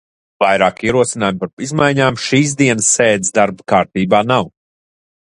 Vairāk ierosinājumu par izmaiņām šīsdienas sēdes darba kārtībā nav.